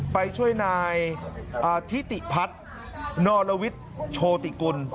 ไปช่วยนายทิติพัฒน์นรวิทย์โชติกุล